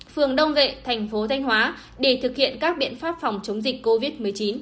phường đông vệ thành phố thanh hóa để thực hiện các biện pháp phòng chống dịch covid một mươi chín